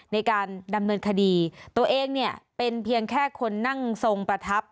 ในการดำเนินคดีตัวเองเนี่ยเป็นเพียงแค่คนนั่งทรงประทับ